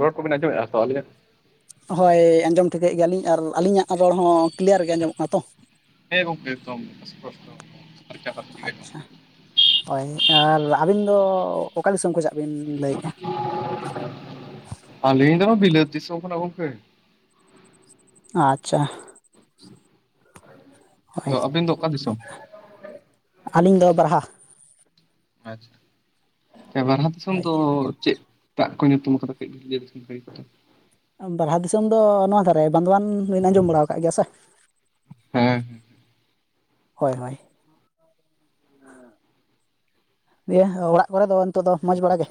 ᱨᱳᱲ ᱠᱚ ᱵᱮᱱ ᱟᱸᱡᱚᱢ ᱮᱫᱟ ᱛᱚ ᱟᱹᱞᱤᱧᱟᱜ ᱦᱳᱭ ᱟᱸᱡᱚᱢ ᱴᱷᱤᱠᱟᱹᱭ ᱜᱮᱭᱟ ᱞᱤᱧ ᱟᱨ ᱟᱹᱞᱤᱧᱟᱜ ᱨᱚᱲ ᱦᱚᱸ ᱠᱞᱤᱭᱟᱨ ᱜᱮ ᱟᱸᱡᱚᱢᱚᱜ ᱠᱟᱱᱟ ᱛᱚ ᱦᱮᱸ ᱜᱚᱝᱠᱮ ᱮᱠᱫᱚᱢ ᱥᱯᱚᱥᱴᱚ ᱯᱷᱟᱨᱪᱟ ᱯᱷᱟᱨᱪᱤ ᱜᱮ ᱟᱸᱡᱚᱢᱚᱜ ᱟᱪᱷᱟ ᱠᱟᱱᱟ᱾ ᱦᱳᱭ ᱟᱨ ᱟᱹᱵᱤᱱ ᱫᱚ ᱚᱠᱟ ᱫᱤᱥᱚᱢ ᱠᱷᱚᱡᱟᱜ ᱵᱤᱱ ᱞᱟᱹᱭᱮᱫᱼᱟ? ᱟᱹᱞᱤᱧ ᱫᱚ ᱵᱤᱞᱟᱹᱛ ᱫᱤᱥᱚᱢ ᱠᱟᱱᱟ ᱜᱚᱢᱠᱮ ᱟᱪᱷᱟ [inaudible] ᱛᱚ ᱟᱹᱵᱤᱱ ᱫᱚ ᱚᱠᱟ ᱫᱤᱥᱚᱢ ᱟᱹᱞᱤᱧ ᱫᱚ ᱵᱟᱨᱦᱟ ᱟᱪᱷᱟ ᱵᱟᱨᱦᱟ ᱫᱤᱥᱚᱢ ᱦᱳᱭ ᱫᱚ ᱪᱮᱫ? ᱫᱟᱜ ᱠᱚ ᱧᱩᱛᱩᱢ ᱠᱟᱫᱟ ᱠᱟᱹᱡ ᱵᱟᱨᱦᱟ ᱫᱤᱥᱚᱢ ᱫᱚ ᱱᱚᱣᱟ ᱫᱷᱟᱨᱮ ᱵᱟᱸᱫᱣᱟᱱ ᱵᱤᱱ ᱟᱸᱡᱚᱢ ᱵᱟᱲᱟ ᱟᱠᱟᱫ ᱜᱮᱭᱟ ᱥᱮ? ᱦᱮᱸ ᱦᱳᱭ ᱦᱳᱭ ᱦᱮᱸ ᱮᱭᱟ ᱚᱲᱟᱜ ᱠᱚᱨᱮ ᱫᱚ ᱱᱤᱛᱚᱜ ᱫᱚ ᱢᱚᱡᱽ ᱵᱟᱲᱟ ᱜᱮ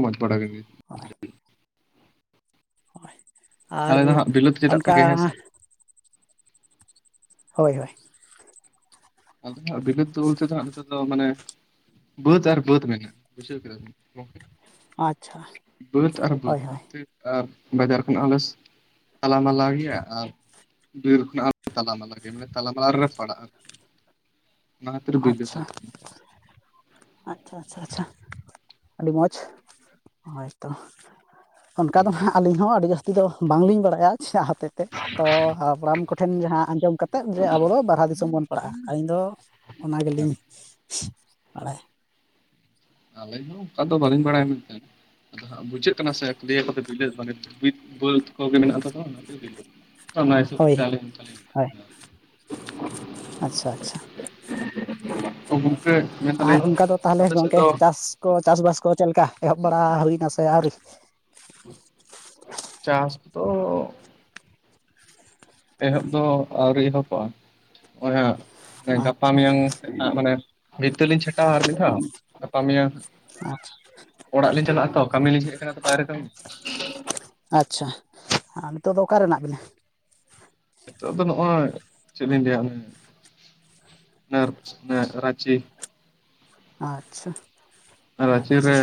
ᱢᱚᱡᱽ ᱵᱟᱲᱟ ᱜᱮ [unintelligible] ᱟᱨ ᱟᱞᱮ ᱫᱚ ᱦᱟᱸᱜ ᱵᱤᱞᱟᱹᱛ ᱪᱮᱫᱟᱜ ᱠᱚ ᱚᱱᱠᱟ ᱜᱮ ᱦᱮᱸ ᱥᱮ ᱦᱳᱭ ᱦᱳᱭ ᱵᱤᱞᱟᱹᱛ ᱫᱚ ᱵᱚᱞᱛᱮ ᱫᱚ ᱱᱤᱛᱚᱜ ᱫᱚ ᱢᱟᱱᱮ ᱵᱟᱹᱫ ᱟᱨ ᱵᱟᱹᱫ ᱢᱮᱱᱟᱜ ᱵᱩᱡᱷᱟᱹᱣ ᱠᱮᱫᱟᱵᱮᱱ ᱜᱚᱝᱠᱮ ᱟᱪᱪᱷᱟ ᱵᱟᱹᱫᱽ ᱟᱨ ᱵᱟᱹᱫᱽ ᱦᱳᱭ ᱢ ᱦᱳᱭ [inaudible] ᱟᱨ ᱵᱟᱡᱟᱨ ᱠᱷᱚᱱᱟᱜ ᱦᱚᱸᱞᱮ ᱛᱟᱞᱟ ᱢᱟᱞᱟ ᱜᱮᱭᱟ ᱟᱨ ᱵᱤᱨ [unintelligible] ᱛᱞᱟᱱᱮ ᱛᱟᱞᱟ ᱛᱟᱞᱟᱨᱮ ᱯᱟᱲᱟᱜ ᱟ ᱟᱪᱪᱷᱟ ᱟᱨᱠᱤ ᱟᱪᱪᱷᱟ ᱟᱪᱪᱷᱟ ᱟᱪᱪᱷᱟ ᱟᱹᱰᱤ ᱢᱚᱡᱽ ᱦᱳᱭᱛᱚ ᱚᱱᱠᱟ ᱫᱚ ᱦᱟᱸᱜ ᱟᱹᱞᱤᱧ ᱦᱚᱸ ᱟᱹᱰᱤ ᱡᱟᱹᱥᱛᱤ ᱫᱚ ᱵᱟᱝᱞᱤᱧ ᱵᱟᱲᱟᱭᱟ ᱪᱮᱫ ᱦᱚᱛᱮᱡ ᱛᱮ ᱛᱚ ᱦᱟᱯᱲᱟᱢ ᱠᱚᱴᱷᱮᱱ ᱡᱟᱦᱟᱸ ᱟᱸᱡᱚᱢ ᱠᱟ ᱠᱟᱛᱮᱫ ᱡᱮ ᱟᱵᱚ ᱫᱚ ᱵᱟᱨᱦᱟ ᱫᱤᱥᱚᱢ ᱵᱚᱱ ᱟ ᱟᱞᱤᱧ ᱫᱚ ᱚᱱᱟ ᱜᱮᱞᱤᱧ ᱵᱟᱲᱟᱭᱟ ᱟᱞᱤᱧ ᱦᱚᱸ ᱚᱱᱠᱟ ᱫᱚ ᱵᱟᱹᱞᱤᱧ ᱵᱟᱲᱟᱭ ᱢᱮᱱᱛᱮ ᱟᱫᱚ ᱦᱟᱸᱜ ᱵᱩᱡᱷᱟᱹᱜ ᱠᱟᱱᱟ ᱥᱮ ᱞᱤᱭᱟᱹ ᱠᱚᱫᱚ ᱵᱤᱞᱟᱹᱛ ᱢᱟᱱᱮ ᱵᱟᱹᱫᱽ ᱠᱚᱜᱮ ᱢᱮᱱᱟᱜ ᱛᱚ ᱚᱱᱟ ᱵᱤᱞᱟᱹ ᱦᱳᱭ ᱦᱳᱭ ᱟᱪᱪᱷᱟ ᱟᱪᱪᱷᱟ ᱛ ᱢᱩ [unintelligible] ᱟᱨ ᱚᱱᱠᱟ ᱫᱚ ᱛᱟᱦᱚᱞᱮ ᱜᱚᱝᱠᱮ ᱪᱟᱥ ᱠᱚ ᱪᱟᱥᱵᱟᱥ ᱠᱚ ᱪᱮᱫ ᱞᱮᱠᱟ ᱮᱦᱚᱵ ᱵᱟᱲᱟ ᱦᱩᱭᱱᱟ ᱥᱮ ᱟᱹᱣᱨᱤ ᱪᱟᱥ ᱛᱚ ᱮᱦᱚᱵ ᱫᱚ ᱟᱣᱨᱤ ᱮᱦᱚᱵᱚᱜᱼᱟ ᱚᱱᱟ ᱜᱟᱯᱟ ᱟᱪᱪᱷᱟ ᱢᱮᱭᱟᱝ ᱢᱟᱱᱮ ᱵᱷᱤᱛᱟᱹ ᱞᱤᱧ ᱪᱷᱟᱴᱟᱜᱣᱟ ᱟᱨ ᱢᱤᱫ ᱫᱷᱟᱣ ᱜᱟᱯᱟ ᱢᱮᱭᱟᱝ ᱟᱪᱪᱷᱟ ᱚᱲᱟᱜ ᱞᱤᱧ ᱪᱟᱞᱟᱜᱼᱟ ᱛᱚ ᱠᱟᱹᱢᱤ ᱞᱤᱧ ᱦᱮᱡ ᱟᱠᱟᱱᱟ ᱛᱚ ᱵᱟᱭᱨᱮ ᱠᱟᱢᱤ ᱟᱪᱪᱷᱟ ᱟᱨ ᱱᱤᱛᱳᱜ ᱫᱚ ᱚᱠᱟᱨᱮ ᱢᱮᱱᱟᱜ ᱵᱮᱱᱟ ᱱᱤᱛᱚᱜ ᱫᱚ ᱱᱚᱜᱼᱚᱭ ᱪᱮᱫ ᱞᱤᱧ ᱞᱟᱹᱭᱟ ᱚᱱᱮ ᱨᱟᱸᱪᱤ ᱟᱪᱪᱷᱟ ᱟᱨ ᱨᱟᱸᱪᱤ ᱨᱮ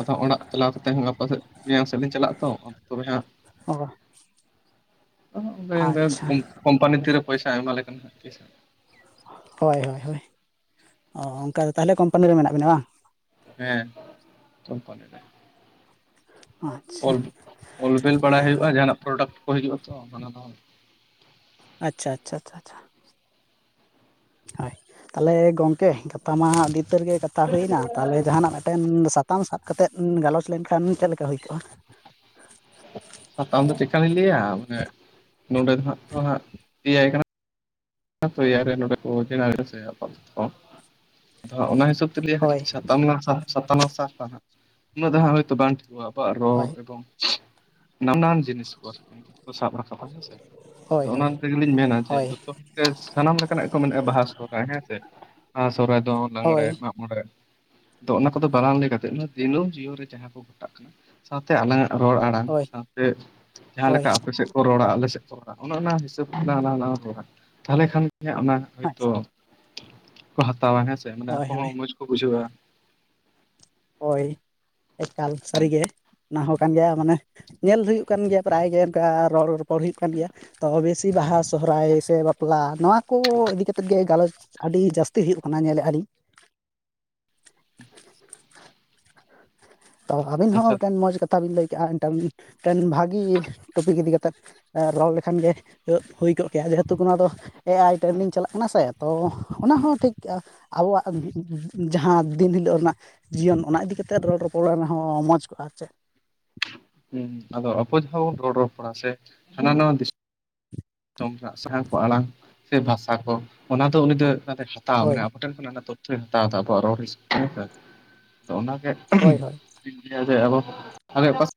ᱟᱫᱚ ᱚᱲᱟᱜ ᱪᱟᱞᱟᱣ ᱠᱟᱛᱮᱫ ᱦᱚᱸ ᱜᱟᱯᱟ ᱥᱮᱫ ᱢᱮᱭᱟᱝ ᱥᱮᱫ ᱞᱤᱧ ᱪᱟᱞᱟᱜᱼᱟ ᱛᱚ ᱟᱫᱚ ᱛᱚᱵᱮ ᱦᱟᱸᱜ ᱚ ᱟᱪᱪᱷᱟ [unintelligible] ᱠᱚᱢᱯᱟᱱᱤ ᱛᱤᱨᱮ ᱯᱚᱭᱥᱟᱭ ᱮᱢᱟᱞᱮ ᱠᱟᱱᱟ ᱦᱟᱸᱜ ᱛᱤᱥᱚᱜ ᱦᱳᱭ ᱦᱳᱭ ᱦᱳᱭ ᱚᱱᱠᱟ ᱫᱚ ᱛᱟᱦᱚᱞᱮ ᱠᱚᱢᱯᱟᱱᱤ ᱨᱮ ᱢᱮᱱᱟᱜ ᱵᱤᱱᱟ ᱵᱟᱝ ᱦᱮᱸ ᱪᱢᱯ [unintelligible] ᱟᱪᱪᱷᱟ ᱚᱞ ᱚᱞ ᱵᱮᱤᱞ ᱵᱟᱲᱟᱭ ᱦᱩᱭᱩᱜᱼᱟ ᱡᱟᱦᱟᱱᱟᱜ ᱯᱨᱚᱰᱟᱠᱴ ᱠᱚ ᱦᱤᱡᱩᱜᱼᱟ ᱛᱚ ᱚᱱᱟ ᱫᱚ ᱟᱪᱪᱷᱟ ᱟᱪᱪᱷᱟ ᱪᱷᱟ ᱪᱷᱟ ᱪᱷᱟ ᱦᱚᱭ ᱛᱟᱦᱚᱞᱮ ᱜᱚᱢᱠᱮ ᱜᱟᱯᱟ ᱢᱟ ᱟᱹᱰᱤ ᱩᱛᱟᱹᱨ ᱜᱮ ᱠᱟᱛᱷᱟ ᱦᱩᱭᱱᱟ ᱛᱟᱦᱚᱞᱮ ᱡᱟᱦᱟᱱᱟᱜ ᱢᱤᱫᱴᱮᱱ ᱥᱟᱛᱟᱢ ᱥᱟᱵ ᱠᱟᱛᱮᱫ ᱜᱟᱞᱚᱪ ᱞᱮᱱᱠᱷᱟᱱ ᱪᱮᱫ ᱞᱮᱠᱟ ᱦᱩᱭ ᱠᱚᱜᱼᱟ ᱥᱟᱛᱟᱢ ᱫᱚ ᱪᱮᱫ ᱟᱹᱞᱤᱧ ᱞᱟᱹᱭᱟ ᱱᱚᱰᱮ ᱫᱚ ᱦᱜ ᱛ ᱦᱜ ᱭᱟᱭ ᱠᱟᱱᱟ [inaudible] ᱠᱚ ᱤᱭᱟᱹ ᱨᱮ ᱱᱚᱰᱮ ᱠᱚ ᱥᱮᱬᱟᱭᱟ ᱦᱮᱸ ᱥᱮ ᱟᱫᱚ ᱦᱟᱸᱜ ᱚᱱᱟ ᱦᱤᱥᱟᱹᱵ ᱛᱮ ᱱᱤᱛᱚᱜ ᱜᱮ ᱞᱟᱹᱭᱟ ᱦᱳᱭ ᱦᱟᱸᱜ ᱥᱟᱛᱟᱢ ᱞᱟᱝ ᱥᱟᱵᱟ ᱥᱟᱛᱟᱢ ᱞᱟᱝ ᱥᱟᱵᱟ ᱦᱟᱸᱜ ᱩᱱᱟᱹᱜ ᱫᱚ ᱦᱟᱸᱜ ᱦᱳᱭᱛᱳ ᱵᱟᱝ ᱴᱷᱤᱠᱚᱜ-ᱟ ᱟᱠᱚᱣᱟᱜ ᱨᱚᱲ ᱦᱳᱭ ᱮᱵᱚᱝ ᱱᱟᱱᱟᱱ ᱡᱤᱱᱤᱥ [unintelligible] ᱠᱚ ᱥᱟᱵ ᱨᱟᱠᱟᱵᱟ ᱦᱮᱸ ᱥᱮ ᱦᱳᱭ ᱟᱫᱚ ᱚᱱᱟ ᱦᱳᱭ ᱛᱮ ᱜᱮᱞᱤᱧ ᱢᱮᱱᱟ ᱡᱮ ᱦᱳᱭ ᱡᱷᱚᱛᱚ ᱦᱚᱲ ᱥᱟᱱᱟᱢ ᱞᱮᱠᱟᱱᱟᱜ ᱜᱮ ᱠᱚ ᱢᱮᱱᱼᱟ ᱵᱟᱦᱟ ᱥᱚᱦᱨᱟᱭ ᱦᱮᱸ ᱥᱮ ᱵᱟᱦᱟ ᱥᱚᱦᱨᱟᱭ ᱫᱚ ᱞᱟᱜᱽᱬᱲᱮ ᱦᱳᱭ ᱢᱟᱜ ᱢᱚᱬᱮ ᱟᱫᱚ ᱚᱱᱟ ᱠᱚᱫᱚ ᱵᱟᱞᱟᱝ ᱞᱟᱹᱭ ᱠᱟᱛᱮ ᱫᱤᱱᱟᱹᱢ ᱡᱤᱭᱚᱱ ᱨᱮ ᱡᱟᱦᱟᱸ ᱠᱚ ᱜᱷᱚᱴᱟᱜ ᱠᱟᱱᱟ ᱥᱟᱶᱛᱮ ᱟᱞᱟᱝᱟᱜ ᱨᱚᱲ ᱟᱲᱟᱝ ᱦᱳᱭ ᱥᱟᱶᱛᱮ ᱡᱟᱦᱟᱸ ᱦᱳᱭ ᱞᱮᱠᱟ ᱟᱯᱮ ᱥᱮᱫ ᱠᱚ ᱨᱚᱲᱟ ᱟᱞᱮ ᱥᱮᱫ ᱠᱚ ᱨᱚᱲᱟ ᱚᱱᱮ ᱚᱱᱟ ᱦᱤᱥᱟᱹᱵᱽ [unintelligible] ᱛᱟᱞᱦᱮ ᱠᱷᱟᱱ ᱜᱮ ᱚᱱᱟ ᱦᱭᱛᱳ ᱠᱚ ᱦᱟᱛᱟᱣᱟ ᱦᱮᱸᱥᱮ ᱢᱟᱱᱮ ᱦᱳᱭ ᱟᱠᱚ ᱦᱳᱭ ᱦᱚᱸ ᱢᱚᱸᱡᱽ ᱠᱚ ᱵᱩᱡᱷᱟᱹᱣᱟ ᱦᱳᱭ ᱮᱠᱟᱞ ᱥᱟᱹᱨᱤᱜᱮ ᱚᱱᱟ ᱦᱚᱸ ᱠᱟᱱ ᱜᱮᱭᱟ ᱢᱟᱱᱮ ᱧᱮᱞ ᱦᱩᱭᱩᱜ ᱠᱟᱱ ᱜᱮᱭᱟ ᱯᱟᱨᱟᱭ ᱜᱮ ᱚᱱᱠᱟ ᱨᱚᱲᱼ ᱨᱚᱯᱚᱲ ᱦᱩᱭᱩᱜ ᱠᱟᱱ ᱜᱮᱭᱟ ᱛᱚ ᱵᱮᱥᱤ ᱵᱟᱦᱟ ᱥᱚᱦᱨᱟᱭ ᱥᱮ ᱵᱟᱯᱞᱟ ᱱᱚᱣᱟ ᱠᱚ ᱤᱫᱤ ᱠᱟᱛᱮᱫ ᱜᱮ ᱜᱟᱞᱚᱪ ᱟᱹᱰᱤ ᱡᱟᱹᱥᱛᱤ ᱦᱩᱭᱩᱜ ᱠᱟᱱᱟ ᱧᱮᱞᱮᱜ ᱟᱹᱞᱤᱧ ᱦ [inaudible] ᱛᱚ ᱟᱹᱵᱤᱱ ᱦᱚᱸ ᱟᱪᱪᱷᱟ ᱢᱤᱫᱴᱮᱱ ᱢᱚᱡᱽ ᱠᱟᱛᱷᱟ ᱵᱤᱱ ᱞᱟᱹᱭ ᱠᱟᱜᱼᱟ ᱢᱤᱫᱴᱮᱱ ᱵᱷᱟᱹᱜᱤ ᱴᱚᱯᱤᱠ ᱤᱫᱤ ᱠᱟᱛᱮᱫ ᱨᱚᱲ ᱞᱮᱠᱷᱟᱱ ᱜᱮ ᱦᱩᱭ ᱠᱚᱜ ᱠᱮᱭᱟ ᱡᱮᱦᱮᱛᱩ ᱚᱱᱟ ᱫᱚ ᱮ ᱟᱭ ᱴᱨᱮᱱᱤᱝ ᱪᱟᱞᱟᱜ ᱠᱟᱱᱟ ᱥᱮ ᱛᱚ ᱚᱱᱟ ᱦᱚᱸ ᱴᱷᱤᱠ ᱠᱼᱟ ᱟᱵᱚᱣᱟᱜ ᱡᱟᱦᱟᱸ ᱫᱤᱱ ᱦᱤᱞᱳᱜ ᱨᱮᱱᱟᱜ ᱡᱤᱭᱚᱱ ᱚᱱᱟ ᱤᱫᱤ ᱠᱟᱛᱮ ᱨᱚᱲ ᱨᱚᱯᱚᱲ ᱚᱲᱟᱜ ᱨᱮᱦᱚᱸ ᱢᱚᱡᱽ ᱠᱚᱜᱼᱟ ᱟᱨ ᱪᱮᱫ ᱦᱩᱸ ᱟᱫᱚ ᱟᱵᱚ ᱡᱟᱦᱟᱸ ᱵᱚᱱ ᱨᱚᱲ ᱨᱚᱯᱚᱲᱟ ᱥᱮ ᱦᱟᱱᱟ ᱱᱟᱣᱟ ᱫᱤᱥ ᱼᱼ ᱛᱚᱢ ᱢᱟ ᱥᱮᱸ ᱠᱚ ᱟᱲᱟᱝ ᱥᱮ ᱵᱷᱟᱥᱟ ᱠᱚ ᱚᱱᱟ ᱫᱚ ᱩᱱᱤ ᱫᱚ ᱚᱱᱟᱭ ᱦᱟᱛᱟᱣᱟ ᱦᱳᱭ ᱢᱟᱱᱮ ᱟᱵᱚᱴᱷᱮᱱ ᱩᱱᱟ ᱨᱮᱱᱟᱜ ᱛᱚᱛᱛᱷᱚᱭ ᱦᱟᱛᱟᱣ ᱫᱟ ᱟᱵᱚᱣᱟᱜ ᱨᱚᱲ [inaudible] ᱚᱱᱟᱜᱮ ᱦᱳᱭ ᱦᱳᱭ [unintelligible] ᱴᱷᱤᱠ ᱜᱮᱭᱟ ᱡᱮ ᱟᱵᱚ [unintelligible]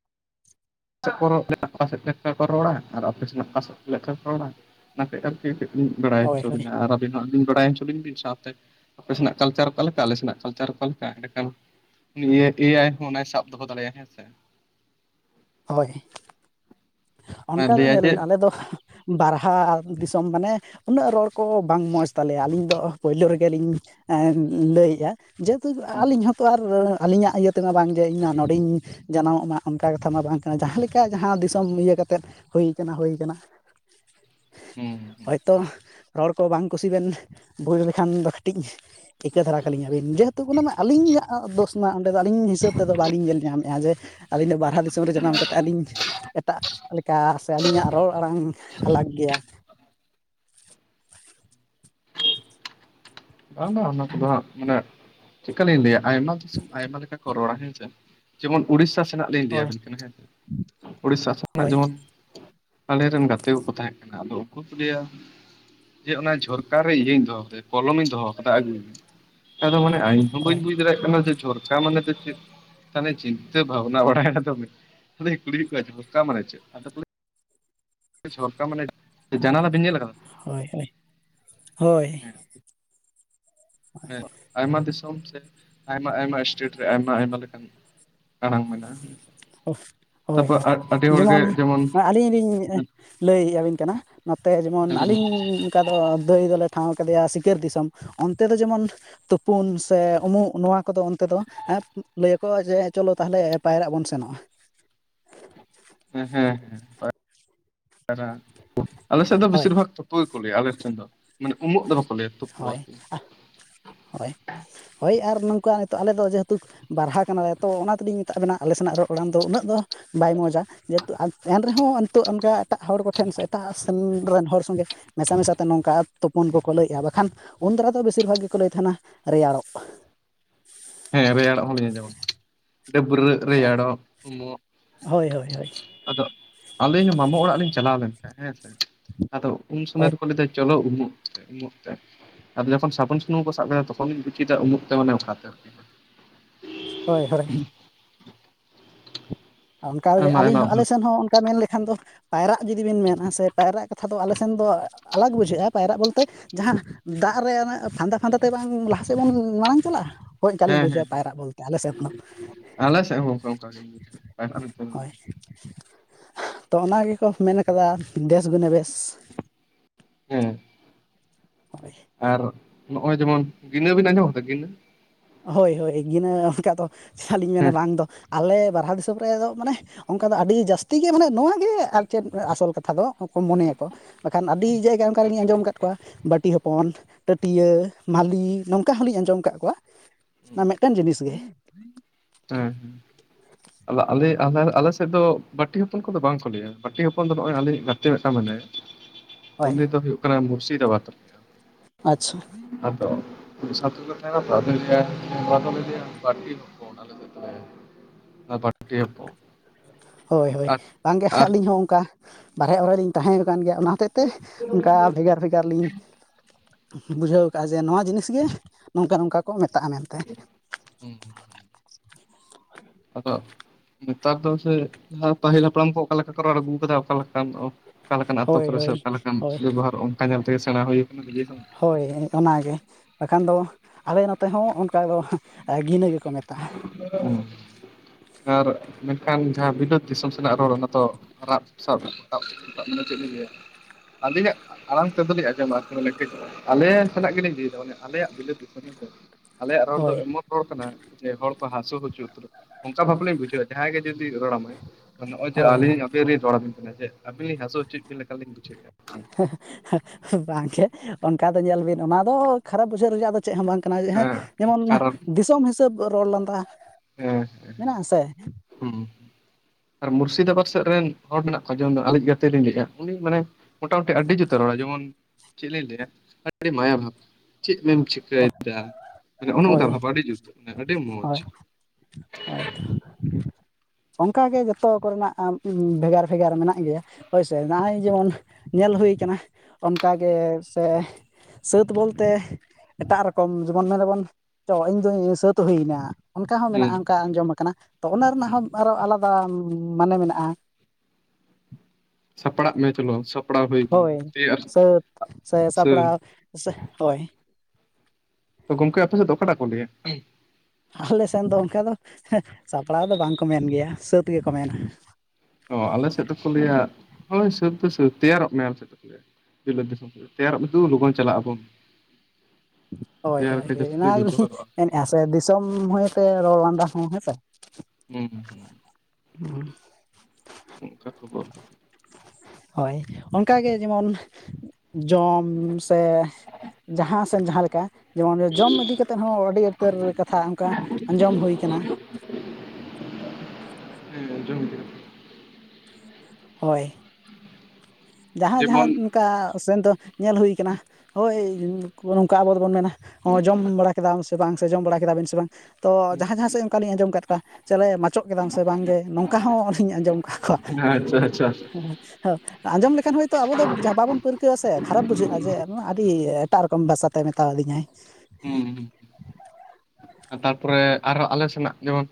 [unintelligible] ᱠᱚ ᱨᱚᱲᱟ ᱟᱨ ᱟᱯᱮ ᱥᱮᱫ ᱚᱠᱟ ᱥᱮᱫ ᱞᱮᱠᱟ ᱠᱚ ᱨᱚᱲᱟ ᱚᱱᱟ ᱛᱮ [unintelligible] ᱵᱟᱲᱟᱭ ᱦᱳᱭ ᱦᱚᱪᱚ ᱵᱤᱧᱟ ᱟᱨ ᱟᱵᱤᱱ ᱦᱚᱸ ᱟᱹᱞᱤᱧ ᱵᱟᱲᱟᱭ ᱦᱚᱪᱚ ᱞᱤᱧ ᱵᱤᱱ ᱥᱟᱶᱛᱮ ᱟᱯᱮ ᱥᱮᱱᱟᱜ ᱠᱟᱞᱪᱟᱨ ᱚᱠᱟ ᱞᱮᱠᱟ ᱟᱞᱮ ᱥᱮᱱᱟᱜ ᱠᱟᱞᱪᱟᱨ ᱚᱠᱟ ᱞᱮᱠᱟ ᱮᱸᱰᱮᱠᱷᱟᱱ ᱩᱱᱤ ᱮᱼᱟᱭ ᱦᱚᱸ ᱚᱱᱟᱭ ᱥᱟᱵ ᱫᱚᱦᱚ ᱫᱟᱲᱮᱭᱟᱜ ᱦᱮᱸ ᱥᱮ ᱦᱳᱭ ᱚᱱᱠᱟ ᱫᱚ ᱞᱟᱹᱭᱟ ᱧᱮᱞ ᱡᱮ ᱦᱩᱭ ᱮᱱᱟ ᱟᱞᱮ ᱫᱚ ᱵᱟᱨᱦᱟ ᱫᱤᱥᱚᱢ ᱢᱟᱱᱮ ᱩᱱᱟᱹᱜ ᱨᱚᱲ ᱠᱚ ᱵᱟᱝ ᱢᱚᱡᱽ ᱛᱟᱞᱮᱭᱟ ᱟᱹᱞᱤᱧ ᱫᱚ ᱯᱳᱭᱞᱳ ᱨᱮᱜᱮ ᱞᱤᱧ ᱮᱸ ᱞᱟᱹᱭᱮᱫᱼᱟ ᱡᱮ ᱦᱮᱛᱩ ᱦᱩᱸ ᱟᱹᱞᱤᱧ ᱦᱚᱸ ᱛᱚ ᱟᱨ ᱟᱹᱞᱤᱧᱟᱜ ᱤᱭᱟᱹ ᱛᱮᱢᱟ ᱵᱟᱝ ᱜᱮ ᱤᱧᱢᱟ ᱱᱚᱰᱮᱧ ᱡᱟᱱᱟᱢᱚᱜ ᱢᱟ ᱚᱱᱠᱟ ᱠᱟᱛᱷᱟ ᱢᱟ ᱵᱟᱝ ᱠᱟᱱᱟ ᱡᱟᱦᱟᱸ ᱞᱮᱠᱟ ᱡᱟᱦᱟᱸ ᱫᱤᱥᱚᱢ ᱤᱭᱟᱹ ᱠᱟᱛᱮᱫ ᱦᱩᱭ ᱠᱟᱱᱟ ᱦᱩᱭ ᱠᱟᱱᱟ ᱦᱩᱸ ᱦᱳᱭᱛᱳ ᱨᱚᱲ ᱠᱚ ᱵᱟᱝ ᱠᱩᱥᱤ ᱵᱮᱱ ᱵᱩᱡᱽ ᱞᱮᱠᱷᱟᱱ ᱫᱚ ᱠᱟᱹᱴᱤᱡ ᱤᱠᱟᱹ ᱫᱷᱟᱨᱟ ᱠᱟᱞᱤᱧᱟ ᱵᱤᱱ ᱡᱮ ᱦᱮᱛᱩ ᱚᱱᱟ ᱢᱟ ᱟᱹᱞᱤᱧᱟᱜ ᱫᱳᱥ ᱤᱧᱡᱟ ᱚᱸᱰᱮ ᱫᱚ ᱟᱹᱞᱤᱧ ᱦᱤᱥᱟᱹ ᱛᱮᱫᱚ ᱵᱟᱞᱤᱧ ᱧᱮᱞ ᱧᱟᱢᱮᱫᱼᱟ ᱡᱮ ᱟᱹᱞᱤᱧ ᱫᱚ ᱵᱟᱨᱦᱟ ᱫᱤᱥᱚ ᱡᱟᱱᱟᱢ ᱠᱟᱛᱮ ᱟᱹᱞᱤᱧ ᱮᱴᱟᱜ ᱞᱮᱠᱟ ᱥᱮ ᱟᱹᱞᱤᱧᱟᱜ ᱨᱚᱲ ᱟᱲᱟᱝ ᱟᱞᱟᱜᱽ ᱜᱮᱭᱟ ᱵᱟᱝ ᱵᱟᱝ ᱚᱱᱟ ᱠᱚᱫᱚ ᱦᱟᱸᱜ ᱢᱟᱱᱮ ᱪᱮᱠᱟ ᱞᱤᱧ ᱞᱟᱹᱭᱟ ᱟᱭᱢᱟ ᱫᱤᱥᱚᱢ ᱟᱭᱢᱟ ᱞᱮᱠᱟ ᱠᱚ ᱨᱚᱲᱟ ᱦᱮᱸᱪᱮ ᱡᱮᱢᱚᱱ ᱩᱲᱤᱥᱥᱟ ᱥᱮᱱᱟᱜ ᱞᱤᱧ ᱞᱟᱹᱭ ᱦᱳᱭ ᱟᱹᱵᱤᱱ ᱠᱟᱱᱟ ᱦᱮᱸ ᱩᱲᱤᱥᱥᱟ ᱥᱮᱱᱟᱜ ᱦᱳᱭ ᱡᱮᱢᱚᱱ ᱟᱞᱮᱨᱮ ᱨᱮᱱ ᱜᱟᱛᱮ ᱠᱚᱠᱚ ᱛᱟᱦᱮᱸ ᱠᱟᱱᱟ ᱟᱫᱚ ᱩᱱᱠᱩ ᱠᱚ ᱞᱟᱹᱭᱟ ᱡᱮ ᱚᱱᱟ ᱡᱷᱚᱨᱠᱟᱨ ᱨᱮ ᱤᱭᱟᱹᱧ ᱫᱚᱦᱚ [unintelligible] ᱠᱚᱞᱚᱢᱤᱧ ᱫᱚᱦᱚ [unintelligible] ᱟᱹᱜᱩᱭ [unintelligible] ᱢᱟᱱᱮ ᱤᱧᱦᱚᱸ ᱵᱟᱹᱧ ᱦᱳᱭ ᱵᱩᱡᱽ ᱫᱟᱲᱮᱭᱟᱜ ᱠᱟᱱᱟ ᱡᱮ ᱡᱚᱨᱠᱟ ᱢᱟᱱᱮ ᱫᱚ ᱪᱮᱫ ᱛᱟᱦᱚᱞᱮ ᱪᱤᱱᱛᱟᱹ ᱵᱷᱟᱵᱱᱟ ᱵᱟᱲᱟᱭᱮᱱᱟ ᱫᱚ [unintelligible] ᱠᱩᱲᱤᱭᱮᱫ ᱠᱚᱣᱟ ᱡᱷᱨᱠᱟ ᱢᱟᱱᱮ ᱪᱮᱫ ᱟᱫᱚᱠᱚ ᱞᱟᱸᱭᱟ ᱡᱷᱟᱨᱠᱟ ᱢᱟᱱᱮ ᱡᱟᱱᱟᱞᱟ ᱵᱤᱱ ᱧᱮᱞ ᱟᱠᱟᱫᱻᱟ ᱦᱳᱭ ᱦᱳᱭ ᱦᱻᱳᱭ ᱦᱮᱸ ᱦᱮᱸ ᱟᱭᱢᱟ ᱫᱤᱥᱚᱢ ᱥᱮᱫ ᱟᱭᱢᱟ ᱟᱭᱢᱟ ᱤᱥᱴᱮᱴ ᱨᱮ ᱟᱭᱢᱟ ᱟᱭᱢᱟ ᱞᱮᱠᱟᱱ ᱟᱲᱟᱝ ᱢᱮᱱᱟᱜᱼᱟ [unintelligible] ᱦᱳᱭ ᱛᱟᱯᱚᱨ ᱦᱳᱭ ᱟᱹᱰᱤ ᱦᱚᱲᱜᱮ ᱡᱮᱢᱚᱱ ᱟᱹᱞᱤᱧ ᱞᱤᱧ ᱞᱟᱹᱭᱮᱫ ᱟᱹᱵᱤᱱ ᱠᱟᱱᱟ ᱱᱚᱛᱮ ᱡᱮᱢᱚᱱ ᱟᱹᱞᱤᱧ ᱚᱱᱠᱟ ᱫᱚ ᱫᱟᱹᱭ ᱫᱚᱞᱮ ᱴᱷᱟᱶ ᱠᱟᱫᱮᱭᱟ ᱥᱤᱠᱟᱹᱨ ᱫᱤᱥᱚᱢ ᱚᱱᱛᱮ ᱫᱚ ᱡᱮᱢᱚᱱ ᱛᱩᱯᱩᱱ ᱥᱮ ᱩᱢᱩᱜ ᱱᱚᱣᱟ ᱠᱚᱫᱚ ᱚᱱᱛᱮ ᱫᱚ ᱞᱟᱹᱭᱟᱠᱩ ᱡᱮ ᱪᱚᱞᱚ ᱛᱟᱦᱚᱞᱮ ᱯᱟᱭᱨᱟᱜ ᱵᱚᱱ ᱜᱟᱱᱚᱜᱼᱟ ᱦᱮᱸ ᱦᱮᱸ [inaudible] ᱟᱞᱮ ᱥᱮᱫ ᱫᱚ ᱦᱳᱭ ᱵᱮᱥᱤᱨ ᱵᱷᱟᱜᱽ ᱛᱚ ᱩᱱᱠᱩ ᱜᱮᱠᱚ ᱞᱮᱭᱟ ᱟᱞᱮ ᱥᱮᱱ ᱫᱚ ᱢᱟᱱᱮ ᱩᱢᱩᱜ ᱫᱚᱠᱚ ᱠᱚ ᱞᱮᱭᱟ ᱦᱳᱭ ᱟ ᱦᱳᱭ ᱦᱳᱭ ᱟᱨ ᱱᱚᱝᱠᱟ ᱱᱤᱛᱚᱜ ᱟᱞᱮᱫ ᱫᱚ ᱡᱮ ᱦᱮᱛᱩ ᱵᱟᱨᱦᱟ ᱠᱟᱱᱟᱞᱮ ᱛᱚ ᱚᱱᱟ ᱛᱮᱞᱤᱧ ᱢᱮᱛᱟᱜ ᱵᱮᱱᱟ ᱟᱞᱮ ᱥᱮᱱᱟᱜ ᱨᱚᱜ ᱚᱲᱟᱱ ᱫᱚ ᱩᱱᱟᱹᱜ ᱫᱚ ᱵᱟᱭ ᱢᱚᱡᱟ ᱡᱮᱦᱮᱛᱩ ᱮᱱ ᱨᱮᱦᱚᱸ ᱱᱤᱛᱚᱜ ᱚᱱᱠᱟ ᱮᱴᱟᱜ ᱦᱚᱲ ᱠᱚᱴᱷᱮᱱ ᱥᱮ ᱮᱴᱟᱜ ᱥᱮᱱ ᱨᱮᱱ ᱦᱚᱲ ᱥᱚᱸᱜᱮ ᱢᱮᱥᱟ ᱢᱮᱥᱟᱛᱮ ᱱᱚᱝᱠᱟ ᱛᱩᱯᱩᱱ ᱠᱚᱠᱚ ᱞᱟᱹᱭᱮᱫᱼᱟ ᱵᱟᱠᱷᱟᱱ ᱩᱱ ᱫᱷᱟᱨᱟ ᱫᱚ ᱵᱮᱥᱤᱨ ᱵᱷᱟᱜᱽ ᱜᱮᱠᱚ ᱞᱟᱹᱭ ᱛᱟᱦᱮᱱᱟ ᱨᱮᱭᱟᱲᱚᱜ ᱦᱮᱸ ᱨᱮᱭᱟᱲᱚᱜ ᱦᱚᱸᱞᱤᱧ ᱟᱸᱡᱚᱢᱟ ᱰᱟᱹᱵᱽᱨᱟᱹᱜ ᱨᱮᱭᱟᱲᱚᱜ ᱩᱢᱚᱜ ᱦᱳᱭ ᱦᱳᱭ ᱦᱳᱭ ᱟᱫᱚ ᱟᱹᱞᱤᱧ ᱦᱚᱸ ᱢᱟᱢᱚ ᱚᱲᱟᱜ ᱞᱤᱧ ᱪᱟᱞᱟᱣ ᱞᱮᱱ ᱛᱟᱦᱮᱸᱱ ᱦᱮᱸ ᱥᱮ ᱟᱫᱚ ᱩᱢ ᱥᱚᱢᱚᱭ ᱦᱳᱭ ᱫᱚ ᱠᱚ ᱞᱟᱭᱫᱟ ᱪᱚᱞᱚ ᱩᱢᱩᱜ ᱩᱢᱩᱜ ᱛᱮ ᱟᱫᱚ ᱡᱚᱠᱷᱚᱱ ᱥᱟᱵᱩᱱ ᱥᱩᱱᱩᱢ ᱠᱚ ᱥᱟᱵ ᱠᱮᱫᱟ ᱛᱚᱠᱷᱚᱱ ᱜᱤᱧ ᱵᱩᱡ ᱠᱮᱫᱟ ᱩᱢᱩᱜ ᱛᱮ ᱢᱟᱱᱮ ᱚᱠᱟᱛᱮ [inaudible] ᱦᱳᱭ ᱦᱳᱭ ᱚᱱᱠᱟ ᱜᱮ ᱟᱭᱢᱟ ᱟᱹᱞᱤᱧ ᱟᱭᱢᱟ ᱦᱚᱸ ᱟᱞᱮ ᱥᱮᱱ ᱦᱚᱸ ᱚᱱᱠᱟ ᱢᱮᱱ ᱞᱮᱠᱷᱟᱱ ᱫᱚ ᱯᱟᱭᱨᱟᱜ ᱡᱩᱫᱤ ᱵᱮᱱ ᱢᱮᱱᱟ ᱥᱮ ᱯᱟᱭᱨᱟᱜ ᱠᱟᱛᱷᱟ ᱫᱚ ᱟᱞᱮ [unintelligible] ᱟᱞᱮ ᱥᱮᱱ ᱫᱚ ᱟᱞᱟᱜᱽ ᱵᱩᱡᱷᱟᱹᱜᱼᱟ ᱯᱟᱭᱨᱟᱜ ᱵᱚᱞᱛᱮ ᱡᱟᱦᱟᱸ ᱫᱟᱜ ᱨᱮ [unintelligible] ᱯᱷᱟᱸᱫᱟ ᱯᱷᱟᱸᱫᱟ ᱛᱮ ᱵᱟᱝ ᱞᱟᱦᱟ [unintelligible] ᱦᱮᱸ ᱡᱮᱢᱚᱱ ᱢᱟᱲᱟᱝ ᱪᱟᱞᱟᱜᱼᱟ ᱦᱳᱭ ᱚᱱᱠᱟ ᱞᱤᱧ ᱦᱮᱸ ᱵᱩᱡᱟ ᱯᱟᱭᱨᱟᱜ ᱵᱚᱱ ᱢᱮᱛᱟᱜᱻᱟ ᱟᱞᱮ ᱥᱮᱫ ᱫᱚ ᱟᱯᱮᱥᱮᱫ ᱦᱚᱸ ᱚᱝᱠᱟ [unintelligible] [unintelligible] ᱦᱳᱭ ᱛᱚ ᱚᱱᱟ ᱜᱮᱠᱚ ᱢᱮᱱ ᱟᱠᱟᱫᱟ ᱫᱮᱥ ᱜᱩᱱᱟᱹ ᱵᱮᱥ ᱦᱮᱸ ᱦᱳᱭ ᱟᱨ ᱱᱚᱜᱼᱚᱭ ᱡᱮᱢᱚᱱ ᱜᱤᱱᱟᱹ ᱵᱤᱱ ᱟᱸᱡᱚᱢ ᱟᱠᱟᱫᱟ ᱜᱤᱱᱟᱹ ᱦᱳᱭ ᱦᱳᱭ ᱤᱜᱱᱟᱹ ᱚᱱᱠᱟ ᱫᱚ ᱪᱮᱫᱟᱜ ᱞᱤᱧ ᱢᱮᱱᱟ ᱦᱮᱸ ᱵᱟᱝ ᱫᱚ ᱟᱞᱮ ᱵᱟᱨᱦᱟ ᱫᱤᱥᱚᱢ ᱨᱮᱫᱚ ᱢᱟᱱᱮ ᱚᱱᱠᱟ ᱫᱚ ᱟᱹᱰᱤ ᱡᱟᱹᱥᱛᱤᱜᱮ ᱢᱟᱱᱮ ᱱᱚᱣᱟᱜᱮ ᱟᱨ ᱪᱮᱫ ᱟᱥᱚᱞ ᱠᱟᱛᱷᱟ ᱫᱚ ᱠᱚ ᱢᱚᱱᱮᱭᱟᱠᱚ᱾ ᱵᱟᱠᱷᱟᱱ ᱟᱹᱰᱤ ᱡᱟᱭᱜᱟ ᱚᱱᱠᱟᱞᱤᱧ ᱟᱸᱡᱚᱢ ᱟᱠᱟᱫ ᱠᱚᱣᱟ ᱵᱟᱹᱴᱤ ᱦᱚᱯᱚᱱ ᱯᱟᱹᱴᱟᱹᱭᱟᱹ ᱢᱟᱹᱞᱤ ᱱᱚᱝᱠᱟ ᱦᱚᱞᱤᱧ ᱟᱸᱡᱚᱢ ᱟᱠᱟᱫ ᱠᱚᱣᱟ ᱚᱱᱟ ᱢᱤᱫᱴᱟᱱ ᱡᱤᱱᱤᱥ ᱜᱮ ᱦᱮᱸ [unintelligible] ᱟ ᱟᱞᱮ ᱟᱞᱮ ᱥᱮᱫ ᱫᱚ ᱵᱟᱹᱴᱤ ᱦᱚᱯᱚᱱ ᱠᱚᱫᱚ ᱵᱟᱝ ᱠᱚ ᱞᱟᱹᱭᱟ ᱵᱟᱹᱴᱤ ᱦᱚᱯᱚᱱ ᱫᱚ ᱱᱚᱜᱼᱚᱭ ᱟᱞᱮ ᱜᱟᱛᱮ ᱢᱤᱫᱴᱟᱝ ᱢᱮᱱᱟᱭᱟ᱾ ᱦᱳᱭ ᱩᱱᱤ ᱫᱚ ᱦᱩᱭᱩᱜ ᱠᱟᱱᱟ ᱢᱩᱨᱥᱤᱫᱟᱵᱟᱫᱽ ᱟᱪᱪᱷᱟ ᱟᱫᱚ ᱥᱟ [unintelligible] ᱫᱚ ᱵᱟᱴᱤ ᱦᱚᱯᱚᱱ ᱟᱯᱟᱴᱮᱭᱟᱯᱚ ᱦᱳᱭ ᱦᱳᱭ ᱵᱟᱝᱜᱮ ᱟᱹᱞᱤᱧ ᱦᱚᱸ ᱚᱱᱠᱟ ᱵᱟᱨᱦᱮ ᱚᱨᱮ ᱞᱤᱧ ᱛᱟᱦᱮᱸᱠᱟᱱ ᱜᱮᱭᱟ ᱚᱱᱟᱛᱮ ᱛᱮ ᱚᱱᱠᱟ ᱵᱷᱮᱜᱟᱨ ᱵᱷᱮᱜᱟᱨ ᱞᱤᱧ ᱵᱩᱡᱷᱟᱹᱣ ᱠᱟᱜᱼᱟ ᱡᱮ ᱱᱚᱣᱟ ᱡᱤᱱᱤᱥ ᱜᱮ ᱱᱚᱝᱠᱟ ᱱᱚᱝᱠᱟ ᱠᱚ ᱢᱮᱛᱟᱜᱼᱟ ᱢᱮᱱᱛᱮ᱾ ᱦᱮᱸ ᱦᱸ ᱦᱮᱸ ᱟᱫᱚ ᱱᱮᱛᱟᱨ ᱫᱚ ᱥᱮ ᱯᱟᱹᱦᱤᱞ ᱦᱟᱯᱲᱟᱢ ᱠᱚ ᱚᱠᱟ ᱞᱮᱠᱟ ᱠᱚ ᱨᱚᱲ ᱟᱹᱜᱩ ᱟᱠᱟᱫᱟ ᱚᱠᱟ ᱞᱮᱠᱟ ᱠᱟᱱ ᱚᱠᱟ ᱞᱮᱠᱟᱱ ᱟᱛᱳ ᱦᱳᱭ ᱠᱚᱨᱮ ᱥᱮ ᱦᱳᱭ ᱚᱠᱟᱞ ᱞᱮᱠᱟᱱ ᱦᱳᱭ ᱵᱮᱵᱚᱦᱟᱨ ᱚᱱᱠᱟ ᱧᱮᱞ ᱛᱮᱜᱮ ᱥᱮᱬᱟ ᱦᱩᱭ ᱠᱟᱱᱟ ᱱᱤᱡᱮ ᱦᱚ ᱦᱳᱭ ᱚᱱᱟᱜᱮ ᱵᱟᱠᱷᱟᱱ ᱫᱚ ᱟᱞᱮ ᱱᱚᱛᱮ ᱦᱚᱸ ᱚᱱᱠᱟ ᱫᱚ ᱜᱤᱱᱟᱹ ᱜᱮᱠᱚ ᱢᱮᱛᱟᱜᱼᱟ ᱟᱨ ᱢᱮᱱᱠᱷᱟᱱ ᱡᱟᱦᱟᱸ ᱵᱤᱞᱟᱹᱛ ᱫᱤᱥᱚᱢ ᱥᱮᱱᱟᱜ ᱨᱚᱲ ᱚᱱᱟ ᱫᱚ ᱨᱟᱯ ᱥᱟᱵ [unintelligible] ᱪᱮᱫ ᱵᱮᱱ ᱞᱟᱹᱭᱟ ᱟᱹᱞᱤᱧᱟᱜ ᱟᱲᱟᱝ ᱛᱮᱫᱚᱞᱤᱧ ᱟᱸᱡᱚᱢᱟ ᱥᱟᱞᱟᱜ [unintelligible] ᱜᱮᱞᱤᱧ ᱤᱫᱤᱭᱮᱫᱟ [unintelligible] ᱢᱟᱱᱮ ᱟᱞᱮᱭᱟᱜ ᱵᱤᱞᱟᱹᱛ ᱫᱤᱥᱚᱢ ᱦᱮ ᱥᱮ ᱟᱞᱮᱭᱟᱜ ᱨᱚᱲ ᱫᱚ ᱦᱳᱭ ᱮᱢᱚᱱ ᱨᱚᱲ ᱠᱟᱱᱟ ᱡᱮ ᱦᱚᱲ ᱠᱚ ᱦᱟᱹᱥᱩ ᱦᱚᱪᱩ ᱩᱛᱟᱹᱨ ᱚᱱᱠᱟ ᱵᱷᱟᱵᱤ ᱞᱤᱧ ᱵᱩᱡᱷᱟᱹᱣᱮᱜ ᱡᱟᱦᱟᱸᱭ ᱜᱮ ᱡᱩᱫᱤ ᱨᱚᱲ ᱟᱢᱟᱭ ᱱᱚᱜᱼᱚᱭ ᱡᱮ ᱦᱳᱭ ᱟᱹᱞᱤᱧ ᱟᱹᱞᱤᱧ ᱨᱚᱲᱟᱵᱤᱱ ᱠᱟᱱᱟ ᱡᱮ ᱟᱹᱵᱤᱱ ᱞᱤᱧ ᱦᱟᱹᱥᱩ ᱦᱚᱪᱚᱮᱫ ᱵᱤᱱ ᱞᱮᱠᱟᱞᱤᱧ ᱵᱩᱡᱷᱟᱹᱮᱫᱼᱟ ᱵᱟᱝ ᱜᱮ ᱚᱱᱠᱟ ᱫᱚ ᱧᱮᱞ ᱵᱤᱱ ᱚᱱᱟ ᱫᱚ ᱠᱷᱟᱨᱟᱯ ᱵᱚᱪᱷᱟᱹ ᱨᱮᱭᱟᱜ ᱫᱚ ᱪᱮᱫ ᱦᱚᱸ ᱵᱟᱝ ᱠᱟᱱᱟ ᱦᱮᱸ ᱡᱮᱢᱚᱱ ᱠᱟᱨᱚᱱ ᱫᱤᱥᱚᱢ ᱦᱤᱥᱟᱹᱵ ᱨᱚᱲ ᱞᱟᱸᱫᱟ ᱢᱮᱱᱟᱜ ᱟᱥᱮ ᱦᱮᱸ ᱟᱨ ᱢᱩᱨᱥᱤᱫᱟᱵᱟᱫ ᱥᱮᱫ ᱨᱤᱱ ᱦᱚᱲ ᱢᱮᱱᱟᱜ ᱠᱚᱣᱟ [inaudible] ᱡᱮᱢ ᱫᱚ ᱟᱹᱞᱤᱡ ᱜᱟᱛᱮ ᱞᱤᱧ ᱞᱟᱹᱭᱼᱟ ᱩᱱᱤ ᱢᱟᱱᱮ ᱢᱚᱴᱟᱢᱩᱴᱤ ᱟᱹᱰᱤ ᱡᱩᱛᱚ ᱨᱚᱲᱟ ᱡᱮᱢᱚᱱ ᱪᱮᱫ ᱞᱤᱧ ᱞᱟᱹᱭᱟ ᱟᱹᱰᱤ ᱢᱟᱭᱟ ᱵᱷᱟᱵᱽ ᱪᱮᱫ ᱮᱢ ᱪᱮᱫ ᱦᱳᱭ ᱪᱭᱟ ᱢᱟᱱᱮ ᱚᱱᱮ ᱚᱱᱠᱟ ᱦᱳᱭ ᱵᱷᱟ ᱟᱹᱰᱤ ᱡᱩᱫ ᱢᱟᱱᱮ ᱟᱹᱰᱤ ᱢᱚᱸᱡᱽ ᱦᱚᱭᱛᱚ᱾ ᱚᱱᱠᱟᱜᱮ ᱡᱚᱛᱚ ᱠᱚᱨᱮᱱᱟᱜ ᱵᱷᱮᱜᱟᱨ ᱵᱷᱮᱜᱟᱨ ᱢᱮᱱᱟᱜ ᱜᱮᱭᱟ ᱦᱳᱭᱥᱮ ᱱᱚᱜᱼᱚᱭ ᱡᱮᱢᱚᱱ ᱧᱮᱞ ᱦᱩᱭ ᱠᱟᱱᱟ ᱚᱱᱠᱟᱜᱮ ᱥᱮ ᱥᱟᱹᱛ ᱵᱚᱞᱛᱮ ᱮᱴᱟᱜ ᱨᱚᱠᱚᱢ ᱡᱮᱢᱚᱱ ᱢᱮᱱᱫᱟᱵᱚᱱ ᱪᱚ ᱤᱧᱫᱚᱧ ᱥᱟᱹᱛ ᱦᱩᱭᱮᱱᱟ ᱚᱱᱠᱟ ᱦᱚᱸ ᱦᱩᱸ ᱢᱮᱱᱟᱜᱼᱟ ᱚᱱᱠᱟ ᱟᱸᱡᱚᱢ ᱟᱠᱟᱱᱟ ᱛᱚ ᱚᱱᱟ ᱨᱮᱱᱟᱜ ᱦᱚᱸ ᱟᱨᱚ ᱟᱞᱟᱫᱟ ᱢᱟᱱᱮ ᱢᱮᱱᱟᱜᱼᱟ ᱥᱟᱯᱲᱟᱜ ᱢᱮ ᱪᱚᱞᱚ ᱥᱟᱵ ᱦᱳᱭ ᱥᱟᱹᱛ ᱥᱮ ᱥᱟᱯᱲᱟᱣ ᱦᱳᱭ ᱛᱚ ᱜᱚᱝᱠᱮ ᱟᱯᱮ ᱥᱮᱫ ᱫᱚ ᱚᱠᱟᱴᱟᱜ ᱠᱚ ᱞᱟᱹᱭᱟ ᱟᱞᱮ ᱥᱮᱱ ᱫᱚ ᱚᱱᱠᱟ ᱫᱚ ᱥᱟᱯᱲᱟᱣ ᱫᱚ ᱵᱟᱝᱠᱚ ᱢᱮᱱ ᱜᱮᱭᱟ ᱥᱟᱹᱛ ᱜᱮᱠᱚ ᱢᱮᱱᱟ᱾ ᱚ ᱟᱞᱮ ᱥᱮᱫ ᱫᱚᱠᱚ ᱞᱟᱹᱭᱟ ᱦᱳᱭ ᱥᱟᱹᱛ ᱫᱚ ᱥᱟᱹᱛ ᱛᱮᱭᱟᱨᱚᱜ ᱢᱮ ᱟᱞᱮ ᱥᱮᱫ ᱫᱚᱠᱚ ᱞᱟᱹᱭᱟ ᱵᱤᱞᱟᱹᱛ ᱫᱤᱥᱚᱢ ᱛᱮᱭᱟᱨᱚᱜᱩ ᱞᱚᱜᱚᱱ ᱪᱟᱞᱟᱜ ᱟᱵᱚᱱ ᱦᱳᱭ ᱛᱮᱭᱟᱨ ᱦᱳᱭ ᱜᱮ ᱦᱳᱭ ᱡᱟᱹᱥᱛᱤ ᱱᱟ᱾ ᱵᱮᱵᱚᱦᱟᱨᱚᱜᱼᱟ ᱦᱮᱸ ᱥᱮ ᱫᱤᱥᱚᱢ ᱦᱚᱭᱛᱮ ᱨᱚᱲ ᱞᱟᱸᱫᱟ ᱦᱚᱸ ᱦᱮᱸᱥᱮ ᱦᱩᱸ ᱦᱩᱸ ᱚᱱᱠᱟ ᱠᱷᱚᱵᱚᱨ ᱫᱟ ᱦᱳᱭ ᱚᱱᱠᱟᱜᱮ ᱡᱮᱢᱚᱱ ᱡᱚᱢ ᱥᱮ ᱡᱟᱦᱟᱸ [unintelligible] ᱡᱟᱦᱟᱸ ᱞᱮᱠᱟ ᱡᱮᱢᱚᱱ ᱡᱚᱢ ᱤᱫᱤ ᱠᱟᱛᱮᱫ ᱦᱚᱸ ᱟᱹᱰᱤ ᱩᱛᱟᱹᱨ ᱠᱟᱛᱷᱟ ᱚᱱᱠᱟ ᱟᱸᱡᱚᱢ ᱦᱩᱭ ᱟᱠᱟᱱᱟ ᱦᱩᱸ [unintelligible] ᱦᱳᱭ ᱡᱟᱦᱟᱸ ᱡᱟᱦᱟᱸ ᱡᱮᱢᱚᱱ ᱚᱱᱠᱟ ᱥᱮᱱ ᱫᱚ ᱧᱮᱞ ᱦᱩᱭ ᱠᱟᱱᱟ ᱦᱳᱭ ᱱᱚᱝᱠᱟ ᱟᱵᱚ ᱫᱚᱵᱚᱱ ᱢᱮᱱᱟ ᱦᱚᱸ ᱡᱚᱢ ᱵᱟᱲᱟ ᱠᱮᱫᱟᱢ ᱥᱮ ᱵᱟᱝ ᱥᱮ ᱡᱚᱢ ᱵᱟᱲᱟ ᱠᱮᱫᱟᱵᱤᱱ ᱥᱮ ᱵᱟᱝ ᱛᱚ ᱡᱟᱦᱟᱸ ᱡᱟᱦᱟᱸ ᱥᱮᱫ ᱚᱱᱠᱟ ᱞᱤᱧ ᱟᱸᱡᱚᱢ ᱠᱟᱜ ᱠᱚᱣᱟ ᱪᱮᱞᱮ ᱢᱟᱪᱚᱜ ᱠᱮᱫᱟᱢ ᱥᱮ ᱵᱟᱝᱜᱮ ᱱᱚᱝᱠᱟ ᱦᱚᱸ ᱟᱹᱞᱤᱧ ᱟᱸᱡᱚᱢ ᱟᱠᱟᱫ ᱠᱚᱣᱟ ᱟᱪᱪᱷᱟ ᱟᱪᱪᱷᱟ ᱦᱚᱸ ᱟᱸᱡᱚᱢ ᱞᱮᱠᱷᱟᱱ ᱦᱚᱭᱛᱳ ᱟᱵᱚ ᱫᱚ ᱵᱟᱵᱚᱱ ᱯᱟᱹᱨᱠᱟᱹ ᱟ ᱥᱮ ᱠᱷᱟᱨᱟᱯ ᱵᱩᱡᱷᱟᱹᱜᱼᱟ ᱡᱮ ᱟᱹᱰᱤ ᱮᱴᱟᱜ ᱨᱚᱠᱚᱢ ᱠᱚᱢ ᱵᱷᱟᱥᱟᱛᱮ ᱢᱮᱛᱟᱣ ᱟᱫᱤᱧᱟᱭ ᱦᱩᱸ ᱦᱩᱸ ᱟᱨ ᱛᱟᱨᱯᱚᱨᱮ ᱟᱨᱦᱚ ᱟᱞᱮ ᱥᱮᱱᱟᱜ ᱡᱮᱢᱚᱱ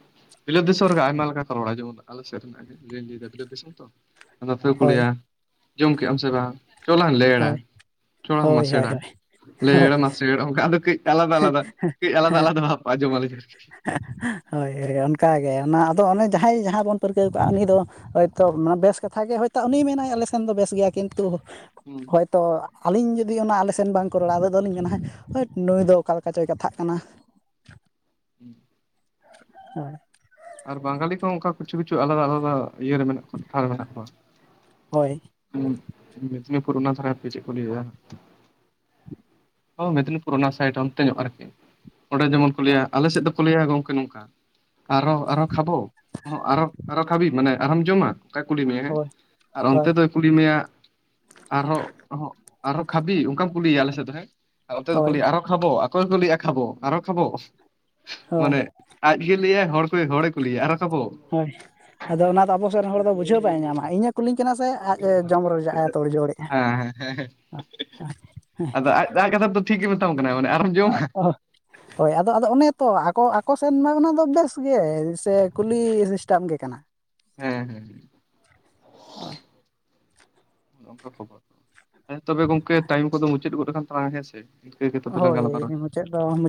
ᱵᱤᱞᱟᱹᱛ ᱫᱤᱥᱚᱢ ᱨᱮᱜᱮ ᱟᱭᱢᱟ ᱞᱮᱠᱟ ᱠᱚ ᱨᱚᱲᱟ ᱡᱮᱢᱚᱱ ᱟᱞᱮᱥᱮᱫ ᱨᱮᱱᱟᱜ ᱜᱮᱧ ᱞᱟᱹᱭᱮᱫᱟ ᱵᱤᱞᱟᱹᱛ ᱫᱤᱥᱚᱢ ᱛᱚ ᱟᱫᱚ ᱱᱚᱛᱮ ᱫᱚᱠᱚ ᱦᱳᱭ ᱞᱟᱹᱭᱟ ᱡᱚᱢ ᱠᱮᱫ ᱟᱢ ᱥᱮ ᱵᱟᱝ ᱪᱚᱞᱟᱝ ᱞᱮᱲᱟ ᱦᱳᱭ ᱪᱚᱞᱟᱝ ᱦᱳᱭ ᱦᱳᱭ ᱢᱟᱥᱮᱲᱟ ᱦᱳᱭ ᱞᱮᱲ ᱦᱳᱭ ᱢᱟᱥᱮᱲ ᱚᱱᱠᱟ ᱟᱫᱚ ᱠᱟᱹᱡ ᱟᱞᱟᱫᱟ ᱟᱞᱟᱫᱟ ᱠᱟᱹᱡ ᱟᱞᱟᱫᱟ ᱟᱞᱟᱫᱟ ᱵᱷᱟᱯ ᱟᱡᱚᱢᱟᱞᱤᱧ ᱟᱨᱠᱤ ᱦᱳᱭ ᱚᱱᱠᱟᱜᱮ ᱚᱱᱟ ᱟᱫᱚ ᱚᱱᱮ ᱡᱟᱸᱦᱟᱭ ᱡᱟᱸᱦᱟ ᱵᱚᱱ ᱯᱟᱹᱨᱠᱟᱹᱣ ᱠᱟᱜᱼᱟ ᱩᱱᱤ ᱫᱚ ᱦᱳᱭᱛᱳ ᱢᱟᱱᱮ ᱵᱮᱥ ᱠᱟᱛᱷᱟ ᱜᱮ ᱦᱳᱭᱛᱳ ᱩᱱᱤ ᱢᱮᱱᱟᱭ ᱟᱞᱮ ᱥᱮᱱ ᱫᱚ ᱵᱮᱥ ᱜᱮᱭᱟ ᱠᱤᱱᱛᱩ ᱦᱩᱸ ᱦᱚᱭᱛᱚ ᱟᱹᱞᱤᱧ ᱡᱩᱫᱤ ᱚᱱᱟ ᱟᱞᱮ ᱥᱮᱱ ᱵᱟᱝᱠᱚ ᱨᱚᱲᱟ ᱟᱞᱤᱧ ᱫᱚᱞᱤᱧ ᱢᱮᱱᱟ ᱦᱳᱴ ᱱᱩᱭ ᱫᱚ ᱚᱠᱟ ᱞᱮᱠᱟ ᱪᱚᱭ ᱠᱟᱛᱷᱟᱜ ᱠᱟᱱᱟ [inaudible] ᱦᱮᱸ ᱟᱨ ᱵᱟᱝᱜᱟᱞᱤ ᱠᱚ ᱦᱚᱸ ᱚᱱᱠᱟ ᱠᱤᱪᱷᱩ ᱠᱤᱪᱷᱩ ᱟᱞᱟᱫᱟ ᱟᱞᱟᱫᱟ ᱤᱭᱟᱹ ᱨᱮ ᱢᱮᱱᱟᱜ ᱠᱚᱣᱟ ᱴᱚᱴᱷᱟ ᱨᱮ ᱢᱮᱱᱟᱜ ᱠᱚᱣᱟ ᱦᱳᱭ ᱢᱮᱫᱽᱱᱤᱯᱩᱨ ᱚᱱᱟ ᱫᱷᱟᱨᱮ ᱦᱟᱯᱮ ᱪᱮᱫ ᱠᱚ ᱞᱟᱹᱭᱮᱫ ᱟ ᱦᱚᱸ ᱢᱮᱫᱽᱱᱤᱯᱩᱨ ᱚᱱᱟ ᱥᱟᱭᱤᱰ ᱚᱱᱛᱮ ᱧᱚᱜ ᱟᱨᱠᱤ ᱚᱸᱰᱮ ᱡᱮᱢᱚᱱ ᱠᱚ ᱞᱟᱹᱭᱟ ᱦᱳᱭ ᱟᱞᱮ ᱥᱮᱫ ᱫᱚᱠᱚ ᱞᱟᱹᱭᱟ ᱜᱚᱝᱠᱮ ᱱᱚᱝᱠᱟ ᱟᱨᱚ ᱟᱨᱚ ᱠᱷᱟᱵᱚ ᱟᱨᱚ ᱟᱨᱚ ᱠᱷᱟᱹᱵᱤ ᱢᱟᱱᱮ ᱟᱨᱦᱚᱢ ᱡᱚᱢᱟ ᱚᱱᱠᱟᱭ ᱠᱩᱞᱤ ᱢᱮᱭᱟ ᱦᱮᱸ ᱟᱨ ᱦᱳᱭ ᱚᱱᱛᱮ ᱫᱚ ᱠᱩᱞᱤ ᱢᱮᱭᱟ ᱟᱨᱦᱚ ᱟᱨᱦᱚ ᱟᱨᱚ ᱠᱷᱟᱵᱤ ᱚᱱᱠᱟᱢ ᱠᱩᱞᱤᱭᱮᱭᱟ ᱟᱞᱮ ᱥᱮᱫ ᱫᱚ ᱦᱮᱸ ᱟᱨ ᱚᱛᱮ ᱫᱚ ᱠᱚ ᱦᱳᱭ ᱞᱟᱹᱭᱟ ᱟᱨᱚ ᱠᱷᱟᱵᱚ ᱟᱠᱚ ᱜᱮᱠᱚ ᱞᱟᱹᱭᱟ ᱠᱷᱟᱵᱚ ᱟᱨᱚ ᱠᱷᱟᱵᱚ ᱦᱳᱭ ᱢᱟᱱᱮ ᱟᱡᱜᱮᱭ ᱞᱟᱹᱭᱟᱭ ᱦᱚᱲ ᱠᱚ ᱜᱮ ᱦᱚᱲᱮ ᱠᱩᱞᱤᱭ ᱭᱟ ᱞᱟᱹᱭᱟᱭ ᱟᱨᱚ ᱠᱷᱟᱵᱚ ᱦᱳᱭ ᱟᱫᱚ ᱚᱱᱟ ᱫᱚ ᱟᱵᱚ ᱥᱮᱫ ᱨᱮᱱ ᱦᱚᱲ ᱫᱚ ᱵᱩᱡᱷᱟᱹᱣ ᱵᱟᱭ ᱧᱟᱢᱟ ᱤᱧᱮ ᱠᱩᱞᱤᱧ ᱠᱟᱱᱟ ᱥᱮ ᱟᱡ ᱮ ᱡᱚᱢ ᱨᱚᱡᱟᱜ ᱮ ᱛᱳᱲ ᱡᱳᱲᱮᱜᱼᱟ ᱦᱮᱸ ᱦᱮᱸ ᱦᱮᱸ ᱦᱮᱸ [unintelligible] ᱟᱭᱟᱜ ᱠᱟᱛᱷᱟ ᱛᱮ ᱫᱚ ᱴᱷᱤᱠ ᱜᱮᱭ ᱢᱮᱛᱟᱢ ᱠᱟᱱᱟ ᱢᱟᱱᱮ ᱟᱨᱚᱢ ᱡᱚᱢᱟ ᱦᱳᱭ ᱟᱫᱚ ᱟᱫᱚ ᱚᱱᱮ ᱛᱚ ᱟᱠᱚ ᱟᱠᱚ ᱥᱮᱱ ᱢᱟ ᱚᱱᱟᱫᱚ ᱵᱮᱥᱜᱮ ᱥᱮ ᱠᱩᱞᱤ ᱥᱤᱥᱴᱮᱢ ᱜᱮ ᱠᱟᱱᱟ ᱦᱮᱸ ᱦᱳᱭ ᱚᱱᱠᱟ ᱠᱷᱚᱵᱚᱨ ᱦᱮᱸ ᱛᱚᱵᱮ ᱜᱚᱝᱠᱮ ᱴᱟᱭᱤᱢ ᱠᱚᱫᱚ ᱢᱩᱪᱟᱹᱫ ᱜᱚᱫ ᱠᱟᱱ ᱛᱟᱞᱟᱝ-ᱟ ᱦᱮᱸ ᱥᱮ ᱤᱱᱠᱟᱹ ᱜᱮ ᱛᱚᱵᱮ ᱞᱟᱝ ᱜᱟᱞᱢᱟᱨᱟᱣᱟ ᱦᱳᱭ ᱢᱩᱪᱟᱹᱫ ᱫᱚ ᱢᱩᱪᱟᱹᱫ